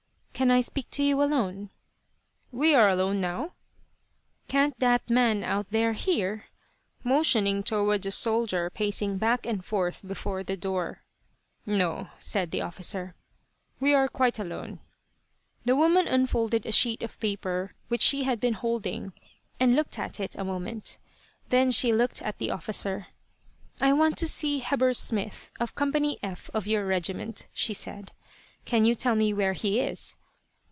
"Can I speak to you alone?" "We are alone now." "Can't that man out there hear?" motioning toward a soldier pacing back and forth before the door. "No," said the officer. "We are quite alone." The woman unfolded a sheet of paper which she had been holding, and looked at it a moment. Then she looked at the officer. "I want to see Heber Smith, of Company F, of your regiment," she said. "Can you tell me where he is?"